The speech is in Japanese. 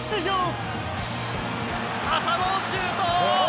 浅野のシュート。